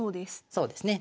そうですね。